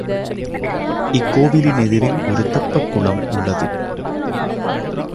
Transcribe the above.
இக் கோவிலின் எதிரில் ஒரு தெப்பக் குளம் உள்ளது.